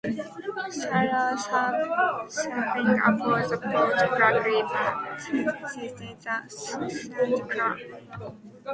Sailors serving aboard the boats blackly dubbed themselves the Suicide Club.